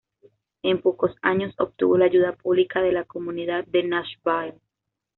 En pocos años, obtuvo la ayuda pública de la comunidad de Nashville.